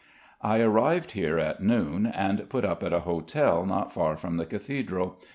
I arrived here at noon and put up at a hotel not far from the cathedral.